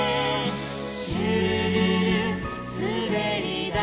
「シュルルルすべりだい」